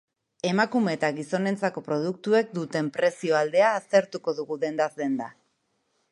Emakume eta gizonentzako produktuek duten prezio aldea aztertuko dugu dendaz denda.